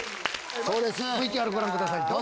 ＶＴＲご覧ください。